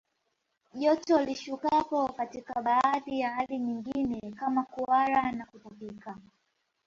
Joto lishukapo katika baadhi ya hali nyingine kama kuhara na kutapika